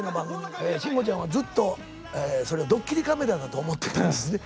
慎吾ちゃんはずっとそれどっきりカメラだと思ってたんですね。